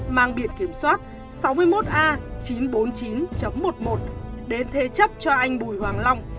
mang biển kiểm soát sáu mươi một a chín trăm bốn mươi chín một mươi một đến thế chấp cho anh bùi hoàng long